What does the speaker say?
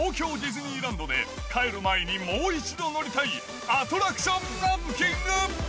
にーらんどで帰る前にもう一度乗りたいアトラクションランキング。